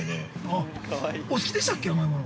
◆あ、お好きでしたっけ甘いもの。